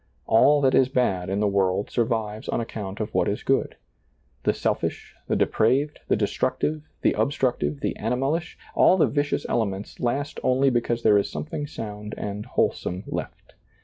All that is bad in the world survives on account of what is good. The selfbh, the depraved, the destructive, the obstructive, the animalish, all the vicious elements last only because there is some thing sound and wholesome left.